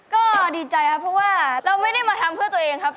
ก็ดีใจครับเพราะว่าเราไม่ได้มาทำเพื่อตัวเองครับ